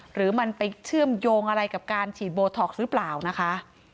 หรือมันไปเชื่อมโยงอะไรกับการฉีดโบท็อกซ์หรือเปล่านะคะ